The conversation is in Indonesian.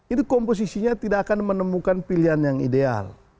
itu komposisinya tidak akan menemukan pilihan yang ideal